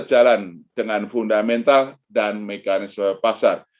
berjalan dengan fundamental dan mekanisme pasar